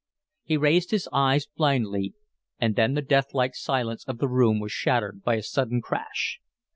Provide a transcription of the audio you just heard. He raised his eyes blindly, and then the deathlike silence of the room was shattered by a sudden crash.